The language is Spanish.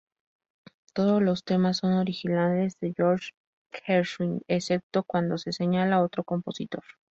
Todos los temas son originales de George Gershwin, excepto cuando se señala otro compositor.